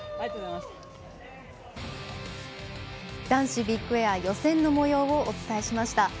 男子ビッグエア予選のもようをお伝えしました。